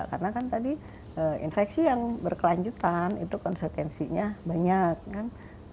karena kan tadi infeksi yang berkelanjutan itu konsekuensinya banyak kan